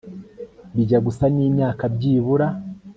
bijya gusa n imyaka byibura